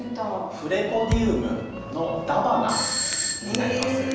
フレポディウムのダバナになります。